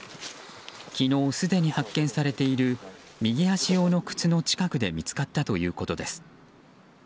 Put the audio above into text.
昨日すでに発見されている右足用の靴の近くで見つかったということです。